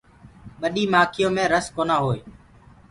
ٻڏي مآکيو مي رس کونآ هوئي۔